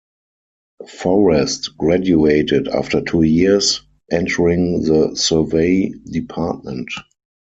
Forrest graduated after two years, entering the Survey Department.